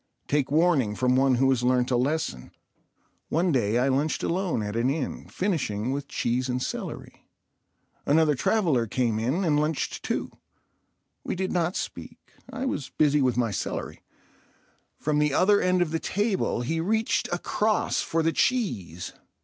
Take warning from one who has learnt a lesson. One day I lunched alone at an inn, finishing with cheese and celery. Another traveller came in and lunched too. We did not speak—I was busy with my celery. From the other end of the table he reached across for the cheese.